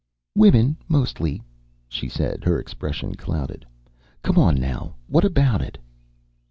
"Women, mostly," she said, her expression clouded. "Come on now. What about it?"